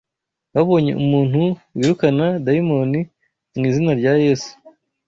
babonye umuntu wirukana dayimoni mu izina rya Yesu,